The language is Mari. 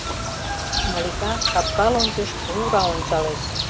— Малика капка лончыш тура ончалеш.